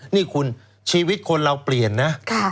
นี่คุณชีวิตคนเราเปลี่ยนนะ